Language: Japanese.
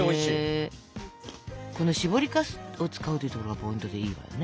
このしぼりかすを使うというところがポイントでいいわよね。